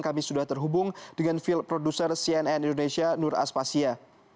kami sudah terhubung dengan field produser cnn indonesia nur aspasya